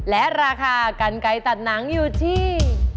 และราคากันไกลตัดหนังอยู่ที่